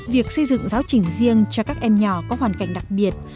việc xây dựng giáo trình riêng cho các em nhỏ có hoàn cảnh đặc biệt